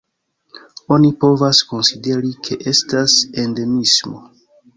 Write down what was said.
Oni povas konsideri, ke estas endemismo.